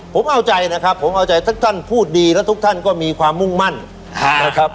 ผมเอาใจนะครับผมเอาใจทุกท่านพูดดีแล้วทุกท่านก็มีความมุ่งมั่นนะครับ